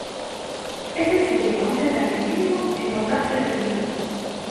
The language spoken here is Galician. Ese sería un detalle mínimo da importancia de Benito.